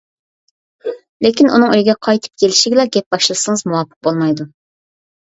لېكىن ئۇنىڭ ئۆيگە قايتىپ كېلىشىگىلا گەپ باشلىسىڭىز مۇۋاپىق بولمايدۇ.